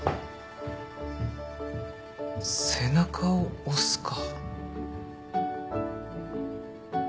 背中を押すか。